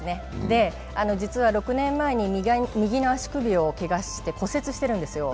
実は６年前に右の足首を骨折してるんですよ。